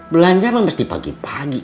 belanjaan mesti pagi pagi